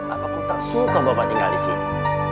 apakah tak suka bapak tinggal di sini